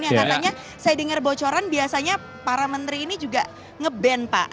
yang katanya saya dengar bocoran biasanya para menteri ini juga nge ban pak